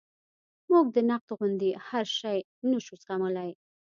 موږ د نقد غوندې هر شی نشو زغملی.